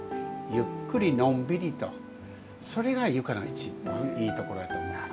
ゆっくり、のんびりとそれが床のいちばんいいところやと思う。